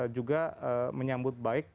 juga menyambut baik